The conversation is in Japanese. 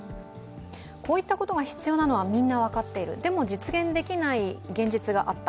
こういったことが必要なのはみんな分かっているでも実現できない現実があった。